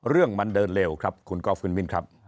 เรื่องมันเดินเร็วครับคุณก๊อฟฟินมินครับ